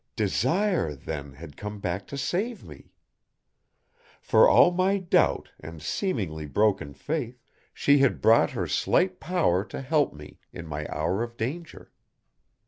Desire, then, had come back to save me. For all my doubt and seemingly broken faith, she had brought her slight power to help me in my hour of danger.